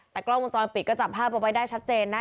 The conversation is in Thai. แต่กล้องมุมจรปิดก็จับผ้าไปได้ชัดเจนนะ